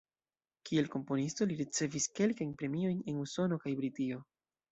Kiel komponisto, li ricevis kelkajn premiojn en Usono kaj Britio.